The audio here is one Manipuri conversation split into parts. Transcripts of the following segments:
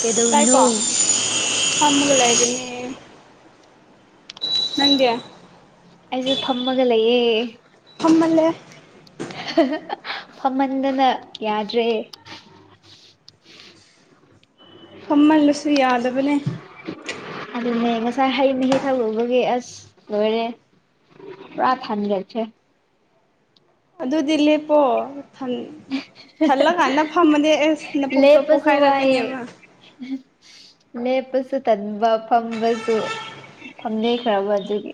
ꯀꯩꯗꯧꯔꯤꯅꯣ ꯇꯥꯏꯀꯣ ꯐꯝꯃꯒ ꯂꯥꯏꯔꯤꯅꯦ ꯅꯪꯗꯤ ꯑꯩꯁꯦ ꯐꯝꯃꯒ ꯂꯩꯌꯦ ꯐꯝꯃꯜꯂꯦ ꯐꯝꯃꯟꯗꯅ ꯌꯥꯗ꯭ꯔꯦ ꯐꯝꯃꯟꯕꯁꯨ ꯌꯥꯗꯕꯅꯦ ꯑꯗꯨꯅꯦ ꯉꯁꯥꯏ ꯍꯩ ꯃꯍꯤ ꯊꯛꯂꯨꯕꯒꯤ ꯑꯁ ꯂꯣꯏꯔꯦ ꯄꯨꯔꯥ ꯊꯟꯒꯠꯈ꯭ꯔꯦ ꯑꯗꯨꯗꯤ ꯂꯦꯞꯄꯣ ꯊꯟ ꯊꯜꯂ ꯀꯥꯟꯗ ꯐꯝꯃꯗꯤ ꯑꯁ ꯅꯄꯨꯛꯇꯣ ꯂꯦꯞꯄꯁꯨ ꯋꯥꯏꯑꯦ ꯄꯣꯈꯥꯏꯔꯛꯀꯅꯦꯕ ꯂꯦꯞꯄꯁꯨ ꯇꯟꯕ ꯐꯝꯕꯁꯨ ꯐꯝꯗꯦꯈ꯭ꯔꯕ ꯑꯗꯨꯒꯤ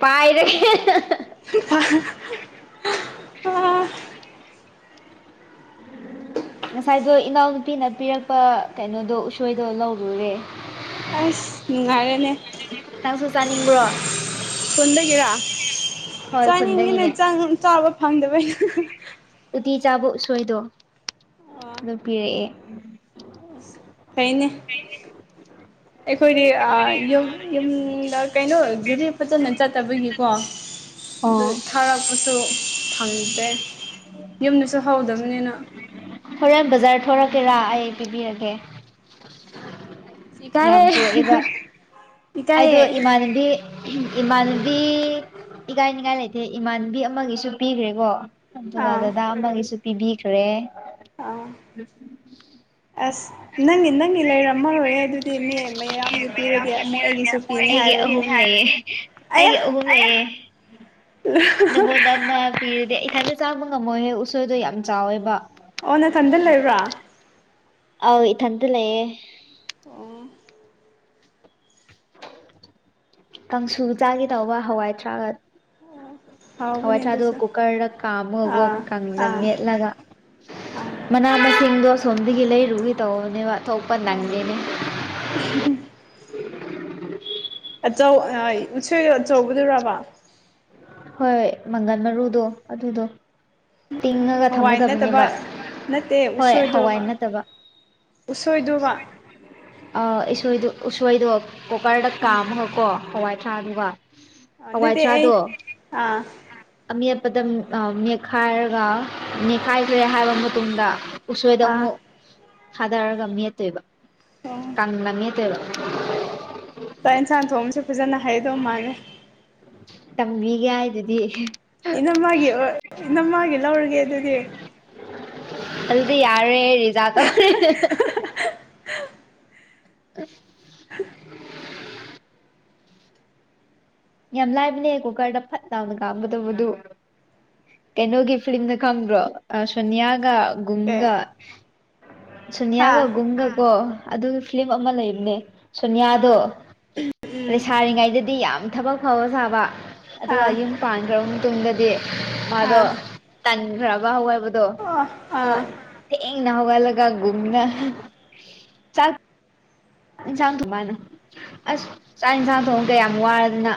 ꯄꯥꯏꯔꯒꯦ [unintelligible] ꯑꯥ ꯉꯁꯥꯏꯗꯣ ꯏꯅꯥꯎꯅꯨꯄꯤꯅ ꯄꯤꯔꯛꯄ ꯀꯩꯅꯣꯗꯣ ꯎꯁꯣꯏꯗꯣ ꯂꯧꯔꯨꯔꯦ ꯑꯁ ꯅꯨꯡꯉꯥꯏꯔꯦꯅꯦ ꯅꯪꯁꯨ ꯆꯥꯅꯤꯡꯕ꯭ꯔꯣ ꯈꯨꯟꯗꯒꯤꯔꯥ ꯍꯣꯏ ꯆꯥꯅꯤꯡꯉꯤꯅꯦ ꯈꯨꯟꯗꯒꯤꯅꯦ ꯆꯪ ꯆꯥꯕ ꯐꯪꯗꯕꯩꯅꯦ ꯎꯇꯤ ꯆꯥꯕ ꯎꯁꯣꯏꯗꯣ ꯑꯗꯨ ꯄꯤꯔꯛꯑꯦ ꯍꯨꯡ ꯐꯩꯅꯦ [inaudible] ꯑꯩꯈꯣꯏꯗꯤ ꯑ ꯌꯨꯝ ꯌꯨꯝꯗ ꯀꯩꯅꯣ ꯒꯥꯔꯤ ꯐꯖꯅ ꯆꯠꯇꯕꯒꯤꯀꯣ ꯑꯗꯨ ꯑꯣ ꯊꯥꯔꯛꯄꯁꯨ ꯐꯪꯗꯦ ꯌꯨꯝꯗꯁꯨ ꯍꯧꯗꯝꯅꯤꯅ ꯍꯣꯔꯦꯟ ꯕꯖꯥꯔ ꯊꯣꯔꯛꯀꯦꯔꯥ ꯑꯩ ꯄꯤꯕꯤꯔꯒꯦ ꯌꯥꯝ ꯏꯀꯥꯏꯍꯦ ꯄꯨꯔꯛꯑꯦꯕ ꯑꯩꯗꯣ ꯏꯀꯥꯏꯍꯦ ꯏꯃꯥꯅꯕꯤ ꯏꯃꯥꯟꯅꯕꯤ ꯏꯀꯥꯏꯅꯤꯉꯥꯏ ꯂꯩꯇꯦ ꯏꯃꯥꯟꯕꯤ ꯑꯃꯒꯤꯁꯨ ꯄꯤꯈ꯭ꯔꯦꯀꯣ ꯑꯗꯨꯒ ꯑꯥ ꯗꯗꯥ ꯑꯃꯒꯤꯁꯨ ꯄꯤꯕꯤꯈ꯭ꯔꯦ ꯑꯥ ꯑꯁ ꯅꯪꯅꯤ ꯅꯪꯅꯤ ꯂꯩꯔꯝꯃꯔꯣꯏꯌꯦ ꯑꯗꯨꯗꯤ ꯃꯤ ꯃꯌꯥꯝꯒꯤ ꯄꯤꯔꯗꯤ ꯑꯃꯨꯛ ꯑꯩꯒꯤ ꯑꯩꯒꯤ ꯑꯍꯨꯝ ꯂꯩꯌꯦ ꯑꯌꯥ ꯑꯩꯒꯤ ꯑꯍꯨꯝ ꯂꯩꯌꯦ ꯪꯅꯉꯣꯜꯗ ꯑꯃ ꯄꯤꯔꯗꯤ ꯑꯊꯟꯗ ꯆꯥꯕ ꯉꯝꯃꯣꯏꯍꯦ ꯎꯁꯣꯏꯗꯣ ꯌꯥꯝ ꯆꯥꯎꯋꯦꯕ ꯑꯣ ꯅꯊꯟꯗ ꯂꯩꯕ꯭ꯔꯥ ꯑꯥꯎ ꯏꯊꯟꯇ ꯂꯩꯌꯦ ꯑꯣ ꯀꯥꯡꯁꯨ ꯆꯥꯒꯦ ꯇꯧꯕ ꯍꯋꯥꯏꯊ꯭ꯔꯥꯛꯒ ꯍꯥꯎꯕꯅꯦ ꯍꯋꯥꯏ ꯊ꯭ꯔꯥꯗꯨꯒ ꯑꯗꯨꯁꯨ ꯀꯨꯀꯔꯗ ꯀꯥꯝꯃꯣꯒꯣ ꯑꯥ ꯀꯪꯅ ꯑꯥ ꯃꯦꯠꯂꯒ ꯑꯥ ꯃꯅꯥ ꯃꯁꯤꯡꯗꯣ ꯑꯁꯣꯝꯗꯒꯤ ꯂꯩꯔꯨꯒꯦ ꯇꯧꯕꯅꯦꯕ ꯊꯣꯛꯄ ꯑꯥ ꯅꯪꯗꯦꯅꯦ [unintelligible] ꯑꯆꯧ ꯑꯥ ꯎꯁꯣꯏ ꯑꯆꯧꯕꯗꯨꯔꯥꯕꯥ ꯍꯣꯏ ꯃꯪꯒꯟ ꯑꯣ ꯃꯔꯨꯗꯣ ꯑꯗꯨꯗꯣ ꯇꯤꯡꯉꯒ ꯍꯋꯥꯏ ꯅꯠꯇꯕ ꯊꯝꯒꯗꯕꯅꯦꯕ ꯅꯠꯇꯦ ꯍꯣꯏ ꯍꯋꯥꯏ ꯎꯁꯣꯏꯗꯣꯕ ꯅꯠꯇꯕ ꯎꯁꯣꯏꯗꯨꯕ ꯑꯥ ꯏꯁꯣꯏꯗꯣ ꯎꯁꯣꯏꯗꯣ ꯀꯨꯀꯔꯗ ꯎꯝ ꯀꯥꯝꯃꯒꯀꯣ ꯍꯋꯥꯏ ꯁꯥꯥꯗ ꯋꯥ ꯍꯥ ꯅꯗꯤ ꯑꯩ ꯑꯥ ꯑꯥꯃꯦꯠꯄꯗ ꯎꯝ ꯑꯝ ꯅꯦꯠꯈꯥꯏꯔꯒ ꯅꯦꯠꯈꯥꯏꯈ꯭ꯔꯦ ꯍꯥꯏꯕ ꯃꯇꯨꯡꯗ ꯎꯁꯣꯏꯗ ꯑꯥ ꯑꯃꯨꯛ ꯊꯥꯗꯔꯒ ꯃꯦꯠꯇꯣꯏꯕ ꯑꯣ ꯀꯪꯂ ꯃꯦꯠꯇꯣꯏꯕ ꯆꯥꯛ ꯌꯦꯟꯁꯥꯡ ꯊꯣꯡꯁꯨ ꯐꯖꯅ ꯍꯩꯗꯧ ꯃꯥꯜꯂꯦ ꯇꯝꯕꯤꯒꯦ ꯍꯥꯏꯗꯨꯗꯤ ꯏꯅꯝꯃꯒꯤ ꯑꯣ ꯏꯅꯝ ꯃꯥꯒꯤ ꯂꯧꯔꯒꯦ ꯑꯗꯨꯗꯤ ꯑꯗꯨꯗꯤ ꯌꯥꯔꯦ ꯔꯤꯖꯥ ꯇꯧꯔꯦ ꯍꯦꯍꯦꯍꯦ [unintelligible] ꯌꯥꯝ ꯂꯥꯏꯕꯅꯦ ꯀꯨꯀꯔꯗ ꯐꯠ ꯂꯥꯎꯅ ꯀꯥꯝꯒꯗꯧꯕꯗꯨ ꯀꯩꯅꯣꯒꯤ ꯐꯂꯤꯝꯗꯣ ꯈꯪꯕ꯭ꯔꯣ ꯑꯥ ꯁꯣꯅꯤꯌꯥꯒ ꯑꯦ ꯒꯨꯡꯒ ꯍꯥ ꯁꯨꯅ꯭ꯌꯥꯒ ꯒꯨꯡꯒ ꯀꯣ ꯑꯗꯨꯒꯤ ꯐ꯭ꯂꯤꯝ ꯑꯃ ꯂꯩꯕꯅꯦ ꯁꯣꯅꯤꯌꯥꯗꯣ ꯑꯥ ꯎꯝ ꯂꯩꯁꯥꯔꯤꯉꯩꯗꯗꯤ ꯌꯥꯝ ꯊꯕꯛ ꯐꯕ ꯁꯥꯕ ꯑꯥ ꯑꯗꯨꯒ ꯌꯨꯝ ꯄꯥꯟꯈ꯭ꯔꯕ ꯃꯇꯨꯡꯗꯗꯤ ꯑꯥ ꯃꯥꯗꯣ ꯇꯟꯈ꯭ꯔꯕ ꯍꯋꯥꯕꯗꯣ ꯑꯣ ꯑꯥ ꯑꯗꯨꯒ ꯊꯦꯡꯅ ꯍꯧꯒꯠꯂꯒ ꯒꯨꯝꯅ ꯌꯦꯟꯁꯥꯡ ꯊꯣꯡ ꯃꯥꯅ ꯑꯁ ꯆꯥꯛ ꯌꯦꯟꯁꯥꯡ ꯊꯣꯡꯁꯦ ꯀꯌꯥꯝ ꯋꯥꯔꯗꯅ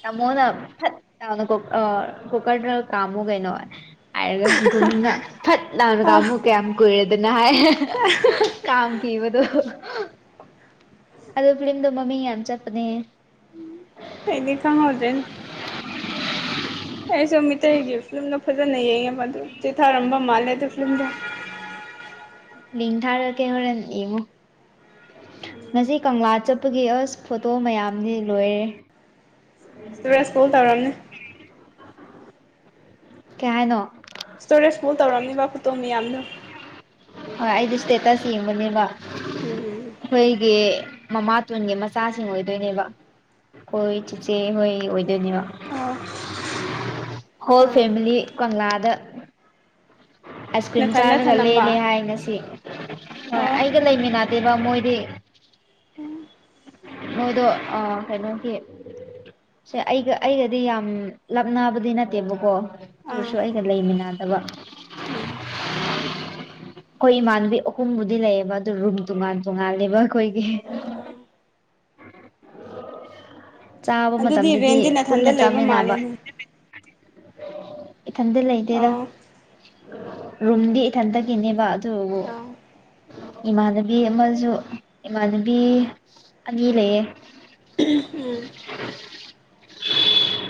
ꯇꯤꯝꯃꯣꯅ ꯐꯠ ꯂꯥꯎꯅ ꯑꯥ ꯀꯣꯀꯔꯗ ꯀꯥꯝꯃꯨ ꯀꯩꯅꯣ ꯍꯥꯏꯔꯒ ꯒꯨꯝꯅ ꯐꯠ ꯂꯥꯎꯅ ꯑꯥ ꯀꯥꯝꯕꯨꯨ ꯀꯌꯥꯝ ꯀꯨꯏꯔꯦꯗꯅ ꯍꯥꯏ [unintelligible] ꯀꯥꯝ ꯈꯤꯕꯗꯣ ꯑꯗꯣ ꯐ꯭ꯂꯤꯝꯗꯣ ꯃꯃꯤꯡ ꯌꯥꯝ ꯆꯠꯄꯅꯦ ꯑꯩꯗꯤ ꯈꯪꯍꯧꯗ꯭ꯔꯦ ꯑꯩꯁꯨ ꯃꯤꯇꯩꯒꯤ ꯐꯤꯂꯝꯗꯣ ꯐꯖꯅ ꯌꯦꯡꯉꯦꯕ ꯑꯗꯨ ꯆꯤꯊꯔꯝꯕ ꯃꯥꯜꯂꯦ ꯑꯗꯨ ꯐꯤꯂꯝꯗꯣ ꯂꯤꯡ ꯊꯥꯔꯛꯀꯦ ꯍꯨꯔꯦꯟ ꯌꯦꯡꯉꯣ ꯉꯁꯤ ꯀꯪꯂꯥ ꯆꯠꯄꯒꯤ ꯑꯁ ꯐꯣꯇꯣ ꯃꯌꯥꯝꯗꯤ ꯂꯣꯏꯔꯦ ꯁꯨꯔꯁ ꯀꯣꯜ ꯇꯧꯔꯝꯅꯦ ꯀꯩ ꯌꯥꯏꯅꯣ ꯁ꯭ꯇꯣꯔꯦꯖ ꯐꯨꯜ ꯇꯧꯔꯝꯅꯤꯕ ꯐꯣꯇꯣ ꯃꯌꯥꯝꯗꯣ ꯍꯣꯏ ꯑꯩꯗꯤ ꯁ꯭ꯇꯦꯇꯁ ꯌꯦꯝꯕꯅꯦꯕ ꯎꯝ ꯈꯣꯏꯒꯤ ꯃꯃꯥꯇꯣꯟꯒꯤ ꯃꯆꯥꯁꯤꯡ ꯑꯣꯏꯗꯣꯏꯅꯦꯕ ꯍꯣꯏ ꯆꯤꯆꯦ ꯍꯣꯏ ꯑꯣꯏꯗꯣꯏꯅꯦꯕ ꯑꯣ ꯍꯣꯜ ꯑꯥ ꯐꯦꯃꯤꯂꯤ ꯀꯪꯂꯥꯗ ꯑꯥꯏꯁ ꯀ꯭ꯔꯤꯝ ꯅꯊꯟꯗ ꯆꯥꯔꯒ ꯊꯅꯝꯕ ꯂꯦꯜꯂꯦ ꯍꯥꯏ ꯉꯁꯤ ꯍꯣꯏ ꯑꯣ ꯑꯩꯒ ꯂꯩꯃꯤꯟꯅꯗꯦꯕ ꯃꯣꯏꯗꯤ ꯎꯝ ꯃꯣꯢꯗꯣ ꯑꯥ ꯀꯩꯅꯣꯒꯤ ꯁꯦ ꯑꯩꯒ ꯑꯩꯒꯗꯤ ꯌꯥꯝ ꯂꯥꯞ ꯅꯕꯗꯤ ꯅꯠꯇꯦꯕꯀꯣ ꯗꯨ ꯑꯥ ꯑꯣꯔꯁꯨ ꯑꯩꯒ ꯂꯩꯃꯤꯟꯅꯗꯕ ꯎꯝ ꯈꯣꯏ ꯏꯃꯥꯟꯅꯕꯤ ꯑꯍꯨꯝꯕꯨꯗꯤ ꯂꯩꯌꯦꯕ ꯑꯗꯨ ꯔꯨꯝ ꯇꯣꯉꯥꯟ ꯇꯣꯉꯥꯂꯦꯕ ꯈꯣꯏꯒꯤ ꯑꯥ ꯆꯥꯕ ꯑꯗꯨꯗꯤ ꯃꯇꯝꯗꯗꯤ ꯔꯦꯟꯗꯤ ꯄꯨꯟꯅ ꯅꯊꯟꯗ ꯂꯩꯕ ꯆꯥꯃꯤꯟꯅꯕ ꯃꯥꯜꯂꯦꯅꯦ ꯏꯊꯟꯗ ꯂꯩꯇꯦꯗ ꯑꯣ ꯔꯨꯝꯗꯤ ꯏꯊꯟꯇꯒꯤꯅꯦꯕ ꯑꯗꯨꯕꯨ ꯑ ꯏꯃꯥꯟꯅꯕꯤ ꯑꯃꯖꯨ ꯏꯃꯥꯟꯅꯕꯤ ꯑꯅꯤ ꯂꯩꯌꯦ ꯎꯝ [unintelligible]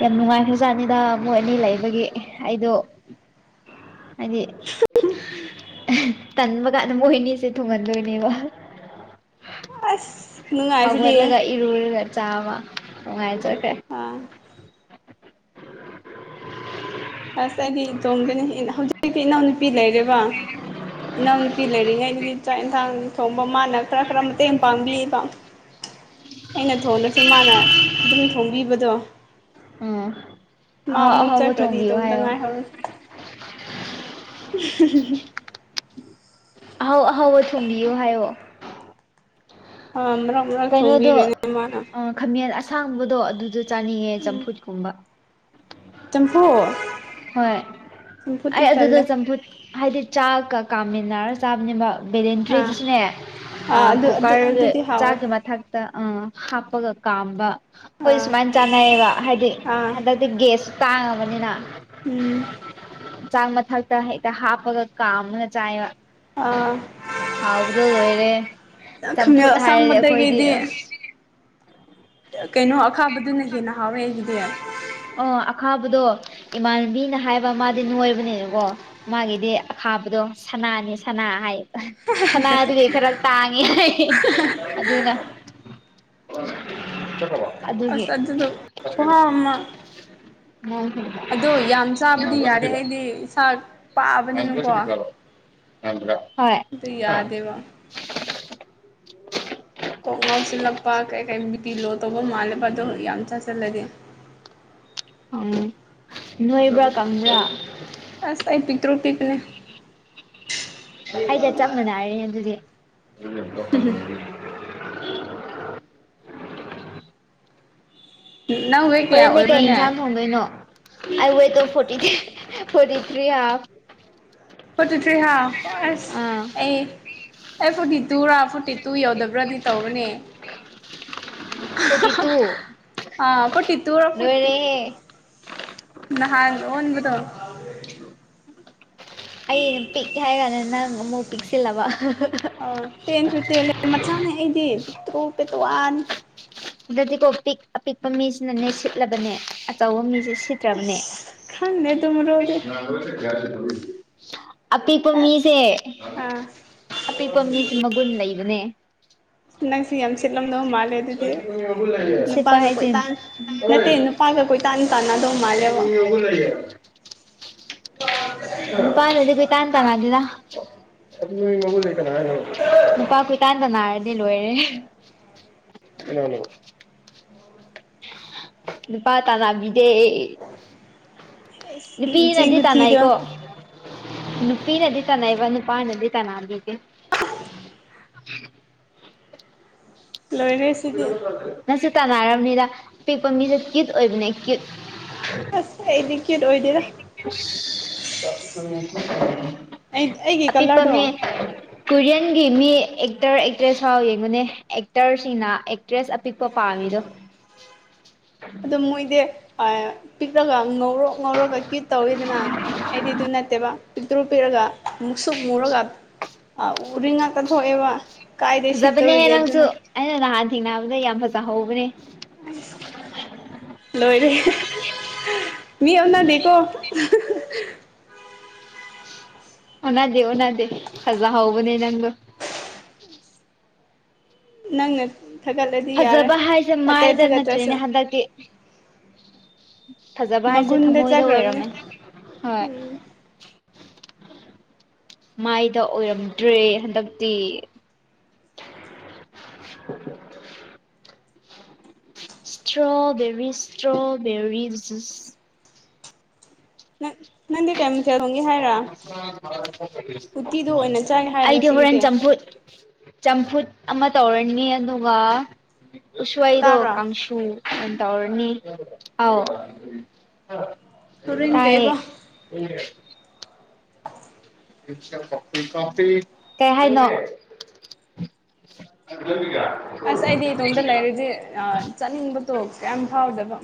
ꯌꯥꯝ ꯅꯨꯡꯉꯥꯏꯈ꯭ꯔ ꯖꯥꯠꯅꯤꯗ ꯃꯣꯏ ꯑꯅꯤ ꯂꯩꯕꯒꯤ ꯑꯩꯗꯣ ꯍꯥꯏꯗꯤ ꯇꯟꯕ ꯀꯥꯟꯗ ꯃꯣꯏꯅꯤꯁꯦ ꯊꯨꯡꯍꯟꯗꯣꯏꯅꯦꯕ ꯑꯁ ꯅꯨꯡꯉꯥꯏ ꯍꯧꯒꯠꯂꯒ ꯏꯔꯨꯔꯒ ꯆꯥꯕ ꯅꯨꯡꯉꯥꯏꯖꯈ꯭ꯔꯦ ꯑꯥ ꯑꯁ ꯑꯩꯗꯤ ꯢꯇꯣꯝꯗꯅꯤ ꯍꯧꯖꯤꯛ ꯏꯅꯥꯎꯅꯨ ꯅꯨꯄꯤ ꯂꯩꯔꯦꯕ ꯏꯅꯥꯎ ꯅꯨꯄꯤ ꯂꯩꯔꯤꯉꯩꯗꯗꯤ ꯆꯥꯛ ꯢꯟꯁꯥꯡ ꯊꯣꯡꯕ ꯃꯥꯅ ꯈꯔ ꯈꯔ ꯃꯇꯦꯡ ꯄꯥꯡꯕꯤꯌꯦꯕ ꯑꯩꯅ ꯊꯣꯡꯗ꯭ꯔꯁꯨ ꯃꯥꯅ ꯑꯗꯨꯝ ꯊꯣꯡꯕꯤꯕꯗꯣ ꯎꯝ ꯃꯥ ꯑꯍꯥꯎ ꯃꯨꯛ ꯑꯍꯥꯎꯕ ꯆꯠꯈ꯭ꯔꯗꯤ ꯊꯣꯡꯕꯤꯌꯨ ꯍꯥꯏꯌꯣ [unintelligible] ꯑꯍꯥꯎ ꯑꯍꯥꯎꯕ ꯊꯣꯡꯕꯤꯌꯣ ꯍꯥꯏꯌꯣ ꯑꯥ ꯃꯔꯛ ꯃꯔꯛ ꯀꯩꯅꯣꯗꯣ ꯊꯣꯡꯕꯤꯔꯦꯅꯦ ꯃꯥꯅ ꯑꯥ ꯈꯥꯃꯦꯟ ꯑꯁꯥꯡꯕꯗꯣ ꯑꯗꯨꯗꯣ ꯆꯥꯅꯤꯡꯉꯦ ꯆꯝꯐꯨꯠ ꯀꯨꯝꯕ ꯆꯝꯐꯨꯠ ꯍꯣꯏ ꯆꯝꯐꯨꯠꯇꯤ ꯑꯩ ꯑꯗꯨꯗ ꯇꯜꯂꯦ ꯆꯝꯐꯨꯠ ꯍꯥꯏꯗꯤ ꯆꯥꯛꯀ ꯀꯥꯃꯤꯟꯅꯔ ꯆꯥꯕꯅꯦꯕ ꯑꯥ ꯕꯦꯂꯦꯟꯗ꯭ꯔꯤꯗꯨꯁꯨꯅꯦ ꯑꯥ ꯑꯗꯨ ꯑꯗꯨ ꯀꯨꯀꯔꯒ ꯑꯗꯨꯗꯤ ꯍꯥꯎꯋꯦ ꯃꯊꯛꯇ ꯑꯥ ꯍꯥꯞꯄꯒ ꯀꯥꯝꯕ ꯈꯣꯏ ꯑꯥ ꯁꯨꯃꯥꯏꯅ ꯆꯥꯅꯩꯌꯦꯕ ꯍꯥꯏꯗꯤ ꯑꯥ ꯍꯟꯗꯛ ꯇꯒꯦꯁ ꯁ꯭ꯇꯥꯢꯜ ꯑꯃꯅꯦꯅ ꯎꯝ ꯆꯥꯛ ꯃꯊꯛꯇ ꯍꯦꯛꯇ ꯍꯥꯞꯄꯒ ꯀꯥꯝꯃ ꯆꯥꯏꯕ ꯑꯥ ꯍꯥꯎꯕꯗꯨ ꯂꯣꯏꯔꯦ ꯈꯥꯃꯦꯜ ꯆꯝꯐꯨꯠ ꯍꯥꯏꯔꯗꯤ ꯑꯩꯈꯣꯏꯗꯤ ꯑꯁꯥꯡꯕꯗꯒꯤꯗꯤ ꯎꯁ [unintelligible] ꯀꯩꯅꯣ ꯑꯈꯥꯕꯗꯨꯅ ꯍꯦꯟꯅ ꯍꯥꯎꯋꯦ ꯑꯩꯒꯤꯗꯤ ꯑꯣ ꯑꯈꯥꯕꯗꯣ ꯏꯃꯥꯟꯅꯕꯤꯅ ꯍꯥꯏꯕ ꯃꯥꯗꯤ ꯅꯣꯏꯕꯅꯤꯅꯀꯣ ꯃꯥꯒꯤꯗꯤ ꯑꯈꯥꯕꯗꯣ ꯁꯅꯥꯅꯤ ꯁꯅꯥ ꯍꯥꯏ ꯑꯥ ꯁꯅꯥꯗꯨꯗꯤ ꯈꯔ ꯇꯥꯡꯉꯦ ꯍꯥꯢ ꯑꯗꯨꯅ ꯆꯠꯈꯔꯕꯣ ꯑꯗꯨꯒꯤ ꯑꯁ ꯑꯗꯨꯗꯣ ꯀꯥꯢ ꯆꯠꯈ꯭ꯔꯤꯕ ꯈꯨꯍꯥꯎ ꯑꯃ ꯑꯗꯣ ꯌꯥꯝ ꯆꯥꯕꯗꯤ ꯌꯥꯗꯦ ꯑꯩꯗꯤ ꯏꯁꯥ ꯄꯥꯕꯅꯤꯅꯀꯣ [unintelligible] ꯍꯣꯢ ꯑꯗꯨ ꯍꯥ ꯌꯥꯗꯦꯕ ꯀꯣꯛ ꯉꯥꯎꯁꯤꯜꯂꯛꯄ ꯀꯩ ꯀꯩ ꯕꯤ ꯄꯤ ꯂꯣ ꯇꯧꯕ ꯃꯥꯜꯂꯦꯕ ꯑꯗꯣ ꯌꯥꯝ ꯆꯥꯁꯤꯜꯂꯗꯤ ꯎꯝ ꯅꯣꯏꯕ꯭ꯔꯥ ꯀꯪꯕ꯭ꯔꯥ ꯑꯁ ꯑꯩ ꯄꯤꯛꯇ꯭ꯔꯨ ꯄꯤꯛꯄꯅꯦ ꯑꯩꯒ ꯆꯞ ꯃꯥꯟꯅꯔꯦꯅꯦ ꯑꯗꯨꯗꯤ ꯅꯪ ꯋꯤꯛ ꯍꯣꯔꯦꯟꯗꯤ ꯀꯩ ꯢꯟꯁꯥꯡ ꯊꯣꯡꯗꯣꯏꯅꯣ ꯑꯩ ꯋꯦꯠꯇꯣ forty forty three half forty three half ꯑꯁ ꯑꯥ ꯑꯩ ꯑꯩ ꯐꯣꯔꯇꯤ ꯇꯨꯔ ꯐꯣꯔꯇꯤ ꯇꯨ ꯌꯧꯗꯕ꯭ꯔꯗꯤ ꯇꯧꯕꯅꯤ ꯐꯣꯔꯇꯤ ꯍꯥꯍꯥ ꯇꯨ ꯑꯥ ꯐꯣꯔꯇꯤ ꯇꯨꯔ ꯐꯣꯔ [unintelligible] ꯅꯍꯥꯟ ꯑꯣꯟꯕꯗꯣ ꯑꯩꯩꯅ ꯄꯤꯛꯑꯦ ꯍꯥꯏ ꯀꯥꯟꯗ ꯅꯪ ꯑꯃꯨꯛ ꯄꯤꯛꯁꯤꯜꯂꯕ ꯑꯥ ꯇꯦꯟꯁꯨ ꯇꯦꯜꯂꯦ ꯃꯆꯥꯅꯦ ꯑꯩꯗꯤ ꯄꯤꯛꯇ꯭ꯔꯨ ꯄꯦꯇꯋꯥꯟ ꯑꯗꯨꯗꯗꯤꯀꯣ ꯄꯤꯛ ꯑꯄꯤꯛꯄ ꯃꯤꯁꯤꯅꯅꯦ ꯁꯤꯠꯂꯕꯅꯦ ꯑꯆꯧꯕ ꯃꯤꯁꯦ ꯁꯤꯠ ꯇ꯭ꯔꯕꯅꯦ ꯈꯪꯗꯦ ꯑꯗꯨ ꯃꯔꯣꯜꯗꯤ ꯑꯄꯤꯛꯄ ꯃꯤꯁꯦ ꯑꯥ ꯑꯄꯤꯛꯄ ꯃꯤꯁꯦ ꯃꯒꯨꯟ ꯂꯩꯕꯅꯦ ꯅꯪꯁꯤ ꯌꯥꯝ ꯆꯤꯠꯂꯝꯗꯧ ꯃꯥꯜꯂꯦ ꯂꯦ ꯑꯗꯨꯗꯤ ꯁꯤꯠꯄ ꯅꯨꯄꯥꯒ ꯍꯥꯏꯁꯦ ꯀꯣꯏꯇꯥꯟ ꯅꯠꯇꯦ ꯅꯨꯄꯥꯒ ꯀꯣꯏ ꯇꯥꯟ ꯇꯥꯟꯅꯗꯣ ꯃꯥꯜꯂꯦꯕ [unintelligible] ꯅꯨꯄꯥꯥꯅꯗꯤ ꯀꯣꯏꯇꯥꯟ ꯇꯥꯟꯅꯗꯦꯗ ꯅꯨꯄꯥ ꯀꯣꯏꯇꯥꯟ ꯇꯥꯟꯅꯥꯔꯗꯤ ꯂꯣꯏꯔꯦ ꯀꯟꯅꯥꯅꯦꯕ ꯅꯨꯄꯥ ꯇꯥꯟꯅꯕꯤꯗꯦ ꯆꯦꯡ ꯅꯨꯄꯤꯅꯗꯤ ꯈꯨꯊꯤꯗꯣ ꯇꯥꯟꯅꯩꯀꯣ ꯅꯨꯄꯤꯅꯗꯤ ꯇꯥꯟꯅꯩꯕ ꯅꯨꯄꯥꯅꯗꯤ ꯇꯥꯟꯅꯕꯤꯗꯦ ꯂꯣꯏꯔꯦ ꯁꯤꯗꯤ ꯅꯪꯁꯨ ꯇꯥꯟꯅꯔꯝꯅꯤꯗ ꯑꯄꯤꯛꯄ ꯃꯤꯁꯦ ꯀ꯭ꯌꯨꯠ ꯑꯣꯏꯕꯅꯦ ꯀ꯭ꯌꯨꯠ ꯑꯁ ꯑꯩꯗꯤ ꯀ꯭ꯌꯨꯠ ꯑꯣꯏꯗꯦꯗ ꯑꯩ ꯑꯩꯒꯤ ꯑꯄꯤꯛꯄ ꯀꯂꯔꯗꯣ ꯃꯤ ꯀꯨꯔꯤꯌꯟꯒꯤ ꯃꯤ ꯑꯦꯛꯇꯔ ꯑꯦꯛꯇ꯭ꯔꯦꯁ ꯐꯥꯎ ꯌꯦꯡꯉꯨꯅꯦ ꯑꯦꯛꯇꯔꯁꯤꯡꯅ ꯑꯦꯛꯇ꯭ꯔꯦꯁ ꯑꯄꯤꯛꯄ ꯄꯥꯝꯃꯤꯗꯣ ꯑꯗꯨꯝ ꯃꯣꯏꯗꯤ ꯑꯥꯏ ꯄꯤꯛꯔꯒ ꯉꯧꯔꯣꯛ ꯉꯧꯔꯒ ꯀ꯭ꯌꯨꯠ ꯇꯧꯋꯤꯗꯅ ꯑꯩꯗꯤ ꯑꯗꯨ ꯅꯠꯇꯦꯕ ꯄꯤꯛꯇ꯭ꯔꯨ ꯄꯤꯔꯒ ꯃꯨꯛꯁꯨꯛ ꯃꯨꯔꯒ ꯑ ꯎꯔꯤꯡ ꯉꯥꯛꯇ ꯊꯣꯛꯑꯦꯕ ꯀꯥꯏꯗꯩ ꯐꯖꯕꯅꯦ ꯁꯤꯠꯇꯧꯔꯤꯒꯦ ꯅꯪꯁꯨ ꯑꯗꯨꯅ ꯑꯩꯅ ꯅꯍꯥꯟ ꯊꯦꯡꯅꯕꯗ ꯌꯥꯝ ꯐꯖꯍꯧꯕꯅꯦ ꯑꯩꯁ ꯂꯣꯏꯔꯦ ꯃꯤ ꯑꯣꯅꯥꯗꯦꯀꯣ ꯑꯣꯟꯅꯗꯦ ꯑꯣꯟꯅꯗꯦ ꯐꯖꯍꯧꯕꯅꯦ ꯅꯪꯗꯣ ꯅꯪꯅ ꯊꯥꯒꯠꯂꯗꯤ ꯌꯥꯔꯦ ꯐꯖꯕ ꯍꯥꯏꯁꯦ ꯑꯇꯩ ꯃꯥꯏꯗ ꯊꯥꯒꯠꯇ꯭ꯔꯁꯨ ꯅꯠꯇ꯭ꯔꯦꯅꯦ ꯍꯟꯗꯛꯇꯤ ꯐꯖꯕ ꯍꯥꯏꯁꯦ ꯃꯒꯨꯟꯗ ꯊꯃꯣꯏꯗ ꯆꯠꯈ꯭ꯔꯕꯅꯦ ꯑꯣꯏꯔꯝꯃꯦ ꯍꯣꯏ ꯃꯥꯏꯗ ꯑꯣꯏꯔꯝꯗ꯭ꯔꯦ ꯍꯟꯗꯛꯇꯤ [unintelligible] ꯏꯁꯇ꯭ꯔꯣꯕꯦꯔꯤ ꯏꯁꯇ꯭ꯔꯣꯕꯦꯔꯤ ꯖꯨꯖ ꯅꯪ ꯅꯪꯗꯤ ꯀꯩ ꯃꯊꯦꯜ ꯊꯣꯡꯒꯦ ꯍꯥꯏꯔ ꯎꯇꯤꯗꯣ ꯑꯣꯏꯅ ꯆꯥꯒꯦ ꯍꯥꯏꯔ ꯑꯩꯗꯤ ꯉꯁꯤꯒꯤꯗꯤ ꯍꯣꯔꯦꯟ ꯆꯝꯐꯨꯠ ꯆꯝꯐꯨꯠ ꯑꯃ ꯇꯧꯔꯅꯤ ꯑꯗꯨꯒ ꯎꯁ꯭ꯋꯣꯏꯗꯣ ꯇꯥꯕ꯭ꯔꯣ ꯀꯥꯡꯁꯨ ꯇꯨ ꯑꯣꯏꯟ ꯇꯧꯔꯅꯤ ꯑꯧ ꯍꯣꯔꯦꯟ ꯇꯥꯏꯌꯦ ꯀꯩꯕ [unintelligible] ꯀꯩ ꯍꯥꯏꯅꯣ [unintelligible] ꯑꯁ ꯑꯩꯗꯤ ꯏꯇꯣꯝꯗ ꯂꯩꯔꯗꯤ ꯑ ꯆꯠꯅꯤꯡꯕꯗꯣ ꯀꯌꯥꯝ ꯐꯥꯎꯗꯕ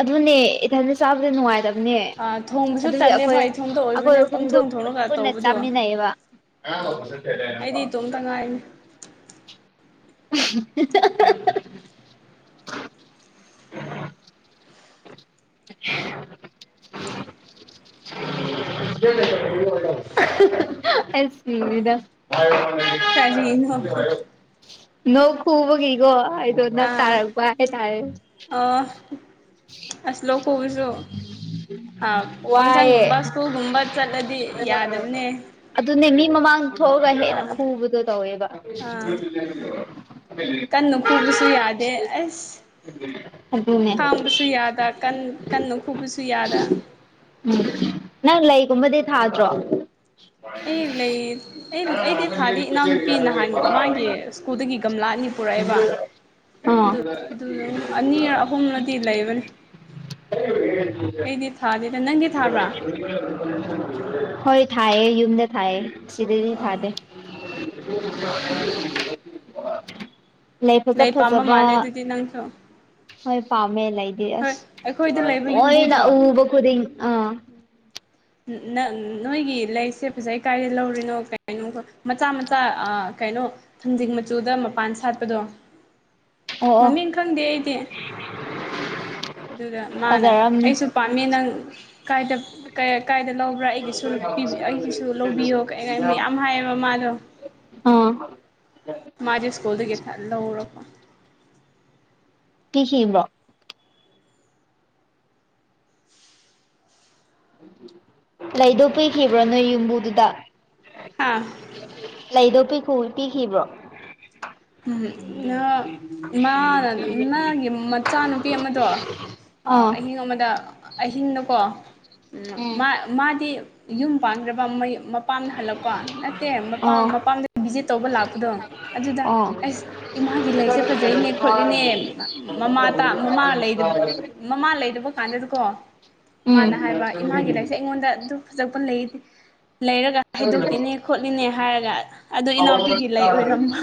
ꯑꯗꯨꯅꯦ ꯏꯊꯟꯗ ꯆꯥꯕꯖꯦ ꯅꯨꯡꯉꯥꯏꯇ ꯅꯦ ꯑꯥ ꯊꯣꯡꯕꯁꯨ ꯑꯗꯨꯒꯤ ꯑꯩꯈꯣꯏ ꯇꯜꯂꯦꯕ ꯑꯛ ꯏꯊꯣꯝꯇ ꯑꯩꯈꯣꯏ ꯑꯣꯏꯕꯅꯦ ꯑꯍꯨꯝꯗꯨ ꯄꯪꯊꯣꯡ ꯄꯨꯟ ꯊꯣꯡꯔꯒ ꯄꯨꯟꯅ ꯇꯧꯕꯗꯣ ꯆꯥꯃꯤꯟꯅꯩꯌꯦꯕ ꯑꯩꯗꯤ ꯏꯇꯣꯝꯇ ꯉꯥꯏꯔꯦ [unintelligible] [unintelligible] [unintelligible] ꯑꯩ ꯁꯤꯔꯦꯗ ꯀꯔꯤꯅꯣ ꯅꯣꯛ ꯈꯨꯕꯒꯤꯒꯣ ꯑꯩꯗꯣ ꯅꯞ ꯇꯥꯔꯛꯄ ꯍꯥꯏꯇꯥꯔꯦ ꯑ ꯑꯁ ꯂꯣꯛ ꯈꯨꯕꯁꯨ ꯑ ꯋꯥꯏꯌꯦ ꯐꯪꯁꯟꯒꯨꯝꯕ ꯁ꯭ꯀꯨꯜꯒꯨꯝꯕ ꯆꯠꯂꯗꯤ ꯌꯥꯗꯕꯅꯦ ꯑꯗꯨꯅꯦ ꯃꯤ ꯃꯃꯥꯡ ꯊꯣꯛꯑꯒ ꯍꯦꯟꯅ ꯑꯥ ꯈꯨꯕꯗꯣ ꯇꯧꯋꯦꯕ ꯑꯥ ꯀꯟꯅ ꯈꯨꯕꯁꯨ ꯌꯥꯗꯦ ꯑꯁ [unintelligible] ꯑꯗꯨ ꯈꯥꯡꯕꯁꯨ ꯌꯥꯗ ꯀꯟ ꯀꯟꯅ ꯈꯨꯕꯁꯨ ꯌꯥꯗ ꯎꯝ ꯅꯪ ꯂꯩꯒꯨꯝꯕꯗꯤ ꯊꯥꯗ꯭ꯔꯣ ꯑꯩ ꯂꯩ ꯑꯩ ꯍꯣꯏ ꯑꯩꯗꯤ ꯊꯥꯗꯤ ꯏꯅꯥꯎꯅꯨꯄꯤ ꯅꯍꯥꯟ ꯃꯥꯒꯤ ꯀꯨꯜꯗꯒꯤ ꯒꯝꯂꯥ ꯑꯅꯤ ꯄꯨꯔꯛꯑꯦꯕ ꯑꯗꯨ ꯑꯗꯨ ꯑꯅꯤꯔ ꯑꯍꯨꯝꯂ ꯗꯤ ꯂꯩꯕꯅꯤ ꯑꯩꯗꯤ ꯊꯥꯗꯦꯗ ꯅꯪ ꯍꯣꯏ ꯊꯥꯏꯌꯦ ꯌꯨꯝꯗ ꯊꯥꯏꯌꯦ ꯁꯤꯗꯗꯤ ꯑꯣ ꯊꯥꯗꯦ ꯑꯩꯗꯤ ꯂꯩ ꯐꯖ ꯄꯥꯝꯕ ꯐꯖꯕ ꯃꯥꯜꯂꯦ ꯑꯗꯨꯗꯤ ꯅꯪꯁꯨ ꯍꯣꯏ ꯄꯥꯝꯃꯦ ꯂꯩ ꯌꯦ ꯍꯣꯏ ꯑꯁ ꯑꯩꯈꯣꯏꯗ ꯂꯩꯕ ꯂꯣꯏꯅ ꯌꯨꯝꯕꯨꯗꯣ ꯑꯎꯕ ꯈꯨꯗꯤꯡ ꯑꯥ [inaudible] ꯅ ꯅꯣꯏꯒꯤ ꯂꯩꯁꯦ ꯐꯖꯩ ꯀꯥꯏꯗ ꯂꯧꯔꯤꯅꯣ ꯀꯥꯏꯅꯣ ꯃꯆꯥ ꯃꯆꯥ ꯑ ꯀꯩꯅꯣ ꯊꯡꯖꯤꯡ ꯃꯆꯨꯗ ꯃꯄꯥꯟ ꯁꯥꯠꯄꯗꯣ [inaudible] ꯃꯃꯤꯡ ꯈꯪꯗꯦ ꯑꯩꯗꯤ ꯑꯗꯨꯗ ꯃꯥꯅ ꯐꯖꯔꯝꯅꯤ ꯑꯩꯁꯨ ꯄꯥꯝꯃꯤ ꯅꯪ ꯀꯥꯏꯗ ꯀ ꯀꯥꯏꯗ ꯂꯧꯕ꯭ꯔꯥ ꯑꯩꯒꯤꯁꯨ ꯄꯤ ꯑꯩꯒꯤꯁꯨ ꯂꯧꯕꯤꯌꯣ ꯀꯩ ꯃꯌꯥꯝ ꯍꯥꯏꯌꯦꯕ ꯃꯥꯗꯣ ꯑꯥ ꯃꯥꯗꯤ ꯁꯀꯨꯜꯗꯒꯤ ꯊ ꯂꯧꯔꯛꯄ ꯄꯤꯈꯤꯕ꯭ꯔꯣ ꯂꯩꯗꯣ ꯄꯤꯈꯤꯕ꯭ꯔꯣ ꯅꯣꯏ ꯌꯨꯝꯕꯨꯗꯨꯗ ꯍꯥꯥ ꯂꯩꯗꯣ ꯄꯤꯈꯨ ꯄꯤꯈꯤꯕ꯭ꯔꯣ ꯎꯝ ꯅ ꯃꯥꯅ ꯃꯥꯒꯤ ꯃꯆꯥꯅꯨꯄꯤ ꯑꯃꯗꯣ ꯑ ꯑꯥ ꯑꯍꯤꯡ ꯑꯃꯗ ꯑꯍꯤꯡꯅꯀꯣ ꯎꯝ ꯃꯥ ꯃꯥꯗꯤ ꯌꯨꯝ ꯄꯥꯟꯗ꯭ꯔꯕ ꯃꯩ ꯃꯄꯥꯝꯅ ꯍꯜꯂꯛꯄ ꯅꯠꯇꯦ ꯃꯄꯥ ꯑꯣ ꯃꯄꯥꯝꯗ ꯚꯤꯖꯤꯠ ꯇꯧꯕ ꯂꯥꯛꯄꯗꯣ ꯑꯗꯨꯗ ꯑꯣ ꯑꯁ ꯎꯝ ꯏꯃꯥꯒꯤ ꯂꯩꯁꯦ ꯐꯖꯩꯅꯦ ꯈꯣꯠꯂꯤꯅꯦ ꯃꯃꯥꯇ ꯃꯃꯥ ꯂꯩꯗ ꯃꯃꯥ ꯂꯩꯗꯕ ꯀꯥꯟꯗꯗꯀꯣ ꯃꯥꯅ ꯍꯥꯏꯕ ꯏꯃꯥꯒꯤ ꯂꯩꯁꯦ ꯑꯩꯉꯣꯟꯗ ꯑꯗꯨ ꯐꯖꯕ ꯂꯩꯗꯤ ꯂꯩꯔꯒ ꯍꯥꯏꯗꯣꯛꯇꯦꯅꯦ ꯈꯣꯠꯂꯤꯅꯦ ꯍꯥꯏꯔꯒ ꯑꯗꯨ ꯏꯅꯥꯎꯄꯤꯒꯤ ꯂꯩ ꯑꯣꯏꯔꯝꯕ